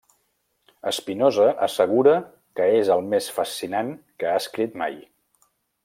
Espinosa assegura que és el més fascinant que ha escrit mai.